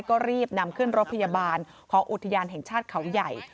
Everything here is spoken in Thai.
ก็รีบนำขึ้นรถพยาบาลของอุทยานแห่งชาติเขาใหญ่